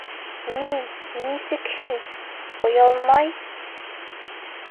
Ни-нисек һин, оялмай...